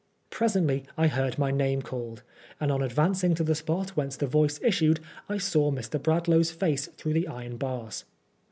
Presently I heard my name called, and on advancing to the spot whence the voice issued, I saw Mr. Brad laugh's face through the iron bars.